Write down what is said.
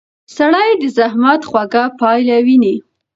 سړی د زحمت خوږه پایله ویني